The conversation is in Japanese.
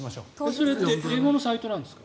それって英語のサイトなんですか。